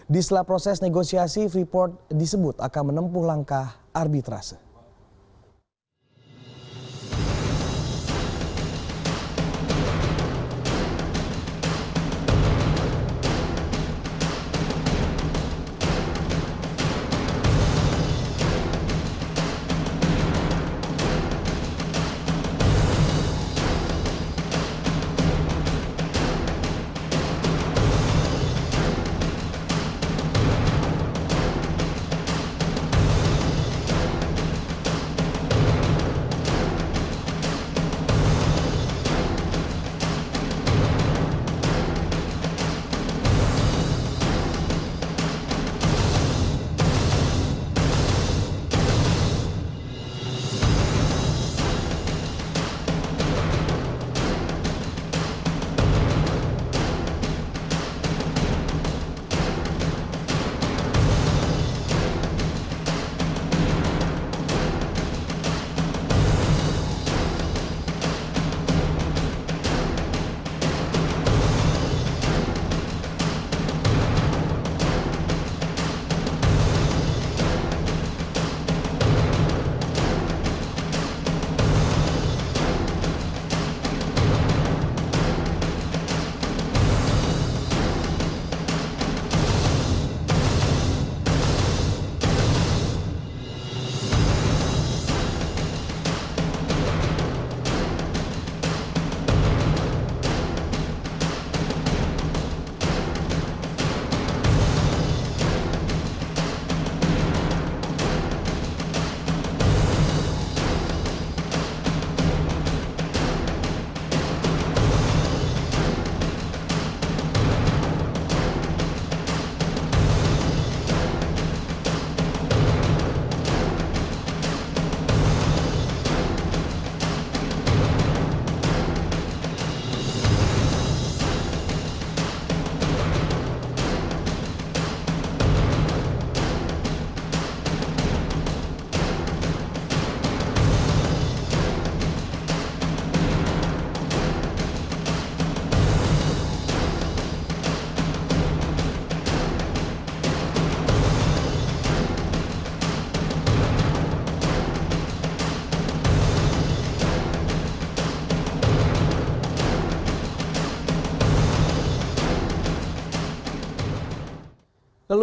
di setelah proses negosiasi freeport disebut akan menempuh langkah arbitrase